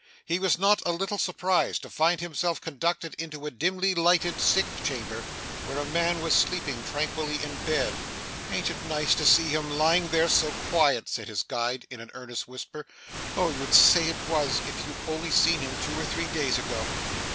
He was not a little surprised to find himself conducted into a dimly lighted sick chamber, where a man was sleeping tranquilly in bed. 'An't it nice to see him lying there so quiet?' said his guide, in an earnest whisper. 'Oh! you'd say it was, if you had only seen him two or three days ago.